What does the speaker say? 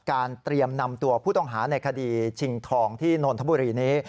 เตรียมนำตัวผู้ต้องหาในคดีชิงทองที่นนทบุรีนี้